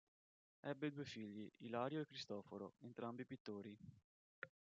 Ebbe due figli, Ilario e Cristoforo, entrambi pittori.